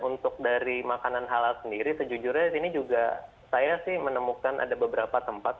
untuk dari makanan halal sendiri sejujurnya sini juga saya sih menemukan ada beberapa tempat